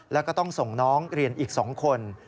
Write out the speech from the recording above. แล้วก็ต้องส่งน้องเรียนอีก๒คน